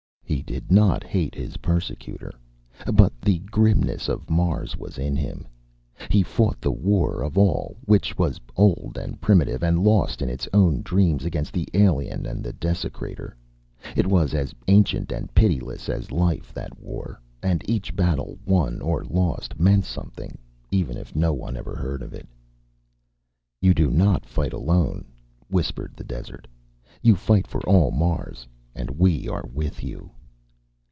He did not hate his persecutor, but the grimness of Mars was in him. He fought the war of all which was old and primitive and lost in its own dreams against the alien and the desecrator. It was as ancient and pitiless as life, that war, and each battle won or lost meant something even if no one ever heard of it. You do not fight alone, whispered the desert. _You fight for all Mars, and we are with you.